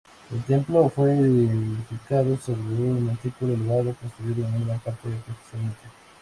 El templo fue edificado sobre un montículo elevado construido en gran parte artificialmente.